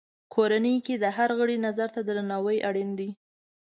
کورنۍ کې د هر غړي نظر ته درناوی اړین دی.